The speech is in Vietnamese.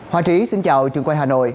hòa trí xin chào trường quay hà nội